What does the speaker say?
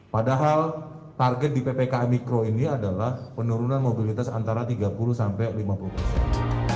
padahal target di ppkm mikro ini adalah penurunan mobilitas antara tiga puluh sampai lima puluh persen